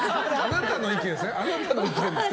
あなたの意見ですか？